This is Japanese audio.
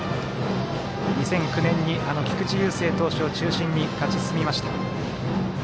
２００９年に菊池雄星投手を中心に勝ち進みました。